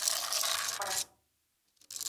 তার অভিনীত প্রথম মঞ্চ নাটক ছিল ‘সূর্যমুখী’।